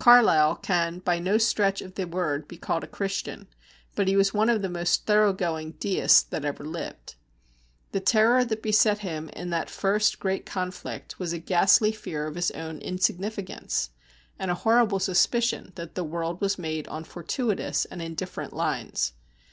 Carlyle can by no stretch of the word be called a Christian, but he was one of the most thoroughgoing Deists that ever lived. The terror that beset him in that first great conflict was a ghastly fear of his own insignificance, and a horrible suspicion that the world was made on fortuitous and indifferent lines.